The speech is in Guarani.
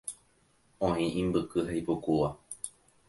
Oĩ imbyky ha ipukúva.